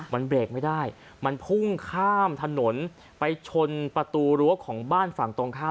มันเบรกไม่ได้มันพุ่งข้ามถนนไปชนประตูรั้วของบ้านฝั่งตรงข้าม